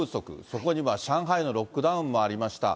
そこには上海のロックダウンもありました。